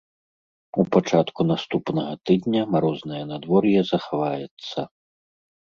У пачатку наступнага тыдня марознае надвор'е захаваецца.